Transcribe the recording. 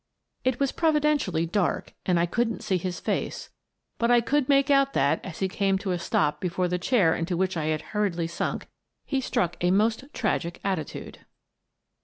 It was providentially dark, and I couldn't see his face, but I could make out that, as he came to a stop before the chair into which I had hurriedly sunk, he struck a most tragic attitude.